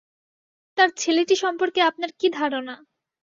তাঁর ছেলেটি সম্পর্কে আপনার কী ধারণা?